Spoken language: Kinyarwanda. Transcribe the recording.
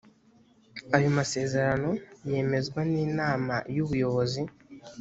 ayo masezerano yemezwa n inama y ubuyobozi